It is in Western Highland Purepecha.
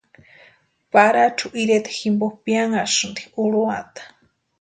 Pʼarachu ireta jimpo pianhasïnti urhuata.